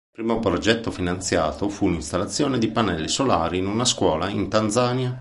Il primo progetto finanziato fu l´installazione di pannelli solari in una scuola in Tanzania.